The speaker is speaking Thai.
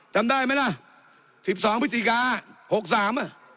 จำได้ไหมล่ะสิบสองพฤศจิกาหกสามอ่ะ